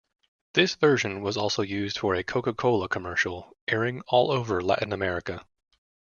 This version was also used for a Coca-Cola commercial, airing all over Latin America.